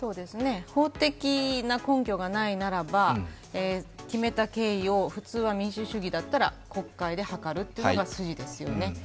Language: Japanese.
法的な根拠がないならば決めた経緯を普通は民主主義だったら国会で諮るというのが筋ですよね。